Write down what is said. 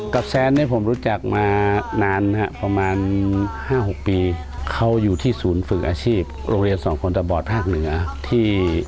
แซนเนี่ยผมรู้จักมานานฮะประมาณ๕๖ปีเขาอยู่ที่ศูนย์ฝึกอาชีพโรงเรียนสองคนตะบอดภาคเหนือที่